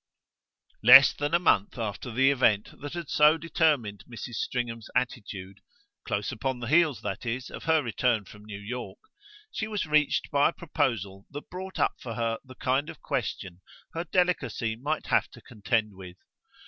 Less than a month after the event that had so determined Mrs. Stringham's attitude close upon the heels, that is, of her return from New York she was reached by a proposal that brought up for her the kind of question her delicacy might have to contend with.